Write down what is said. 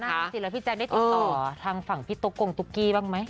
ดูสิแล้วพี่แจ๊คได้ติดต่อทางฝั่งพี่ตุ๊กกงตุ๊กกี้บ้างไหม